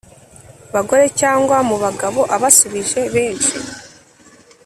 Bagore cyangwa mu bagabo abasubije benshi